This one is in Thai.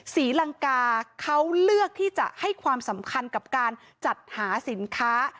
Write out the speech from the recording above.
ศรีลังกาเขาเลือกที่จะให้ความสำคัญกับการจัดหาสินค้า